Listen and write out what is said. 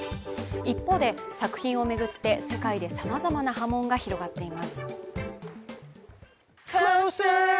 一方で、作品を巡って世界でさまざまな波紋が広がっています。